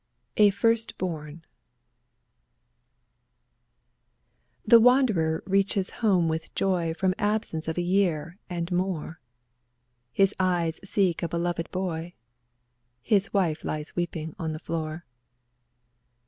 23 A FIRST BORN The wanderer reaches home with joy From absence of a year and more; Hiis eye seeks a beloved boy — His wife lies weeping on the floor.